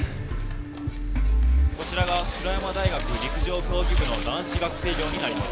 こちらが白山大学陸上競技部の男子学生寮になります